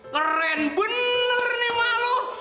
keren bener nih emak lo